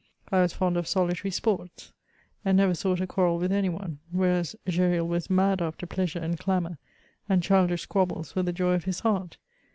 I was fond of solitary sports, and never sought a quarrel with any one, whereas Gesnl was mad after pleasure and clamour, and childish squabhles were the joy of his heart.